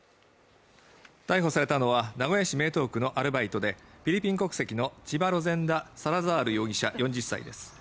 逮捕されたのは、名古屋市名東区のアルバイトで、フィリピン国籍のチバ・ロゼンダ・サラザール容疑者４０歳です。